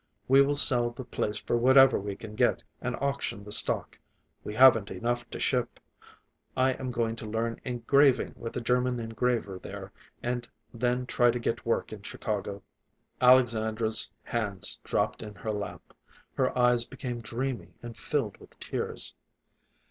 We will sell the place for whatever we can get, and auction the stock. We haven't enough to ship. I am going to learn engraving with a German engraver there, and then try to get work in Chicago." Alexandra's hands dropped in her lap. Her eyes became dreamy and filled with tears.